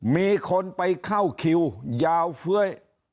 มีคนไปเข้าคิวยาวเฟ้ย